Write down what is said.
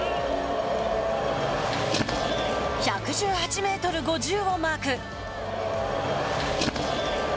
１１８メートル５０をマーク。